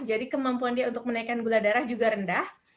jadi kemampuan dia untuk menaikkan gula darah juga rendah